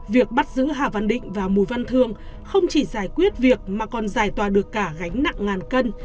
việc bắt giữ hà văn định và mù văn thương không chỉ giải quyết việc mà còn giải tỏa được cả gánh nặng ngàn cân